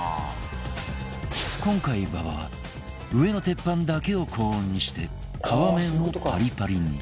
今回馬場は上の鉄板だけを高温にして皮面をパリパリに